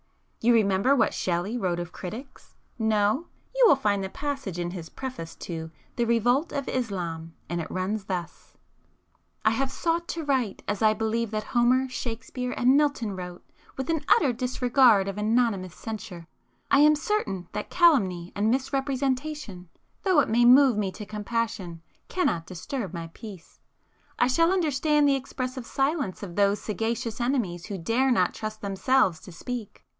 You remember what Shelley wrote of critics? No? You will find the passage in his preface to 'The Revolt of Islam,' and it runs thus,—'I have sought to write as I believe that Homer, Shakespeare, and Milton wrote, with an utter disregard of anonymous censure. I am certain that calumny and misrepresentation, though it may move me to compassion cannot disturb my peace. I shall understand the expressive silence of those sagacious enemies who dare not trust themselves to speak.